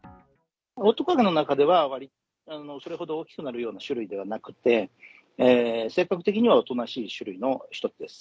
オオトカゲの中では、それほど大きくなるような種類ではなくて、性格的にはおとなしい種類の一つです。